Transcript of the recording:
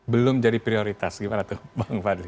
belum jadi prioritas gimana tuh bang fadli